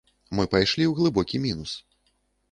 Мы пайшлі ў глыбокі мінус.